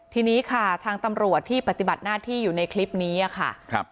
ทีนี้ค่ะทางตำรวจที่ปฏิบัติหน้าที่อยู่ในคลิปนี้ค่ะ